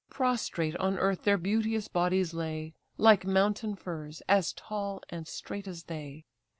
Prostrate on earth their beauteous bodies lay, Like mountain firs, as tall and straight as they.